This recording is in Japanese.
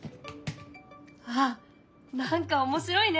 あっ何か面白いね。